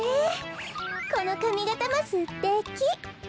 このかみがたもすてき。